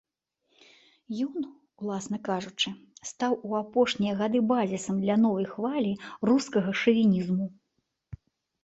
Ён, уласна кажучы, стаў у апошнія гады базісам для новай хвалі рускага шавінізму.